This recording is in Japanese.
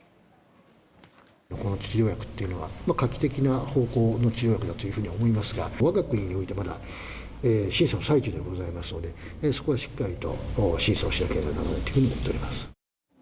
この治療薬というのは、画期的な方法の治療薬だというふうに思いますが、わが国においてまだ、審査の最中でありますので、そこはしっかりと審査をしなければならないというふうに思っております。